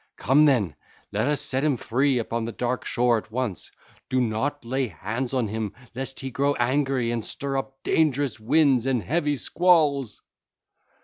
Come, then, let us set him free upon the dark shore at once: do not lay hands on him, lest he grow angry and stir up dangerous winds and heavy squalls.